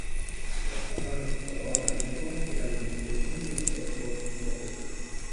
Los patrones de color varían considerablemente entre los sexos y especies.